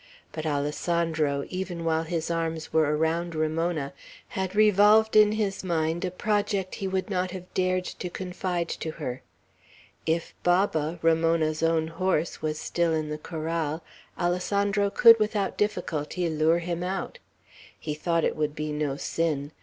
But Alessandro, even while his arms were around Ramona, had revolved in his mind a project he would not have dared to confide to her. If Baba, Ramona's own horse, was still in the corral, Alessandro could without difficulty lure him out. He thought it would be no sin.